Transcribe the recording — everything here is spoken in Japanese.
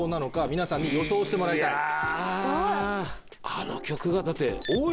あの曲がだって。